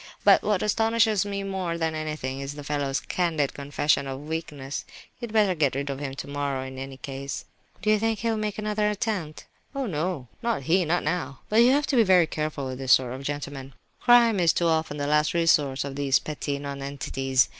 But what astonishes me more than anything is the fellow's candid confession of weakness. You'd better get rid of him tomorrow, in any case." "Do you think he will make another attempt?" "Oh no, not he, not now! But you have to be very careful with this sort of gentleman. Crime is too often the last resource of these petty nonentities.